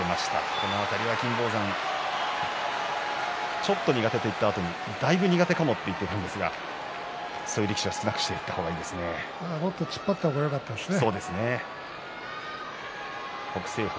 この辺りは金峰山ちょっと苦手といったあとにだいぶ苦手かもと言っていたんですがそういう力士は少なくしていったもっと突っ張っていった方がよかったですね。